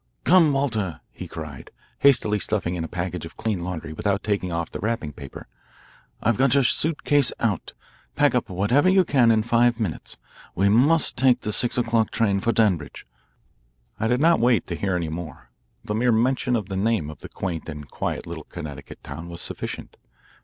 "Come, Walter," he cried, hastily stuffing in a package of clean laundry without taking off the wrapping paper, "I've got your suit case out. Pack up whatever you can in five minutes. We must take the six o'clock train for Danbridge." I did not wait to hear any more. The mere mention of the name of the quaint and quiet little Connecticut town was sufficient.